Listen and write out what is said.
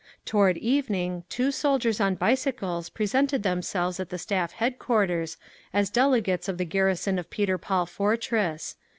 Toward evening two soldiers on bicycles presented themselves at the Staff Headquarters, as delegates of the garrison of Peter Paul Fortress.